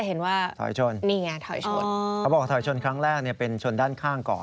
เขาบอกถอยชนครั้งแรกเนี่ยเป็นชนด้านข้างก่อน